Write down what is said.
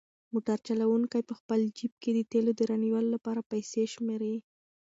موټر چلونکی په خپل جېب کې د تېلو د رانیولو لپاره پیسې شمېري.